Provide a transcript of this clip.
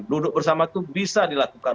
duduk bersama itu bisa dilakukan